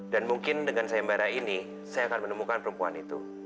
dan mungkin dengan sayembara ini saya akan menemukan perempuan itu